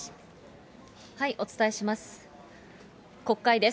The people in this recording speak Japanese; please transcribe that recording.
お伝えします。